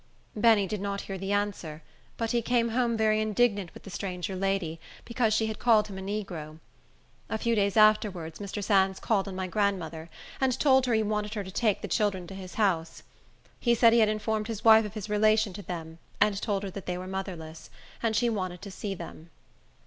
Benny did not hear the answer; but he came home very indignant with the stranger lady, because she had called him a negro. A few days afterwards, Mr. Sands called on my grandmother, and told her he wanted her to take the children to his house. He said he had informed his wife of his relation to them, and told her they were motherless; and she wanted to see them.